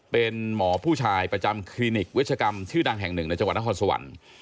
เป็นหมอผู้ชายประจำคลินิกเวชกรรมชื่อดังแห่งหนึ่งในจังหวัดนครสวรรค์